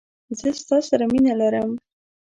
زه ستا سره مینه لرم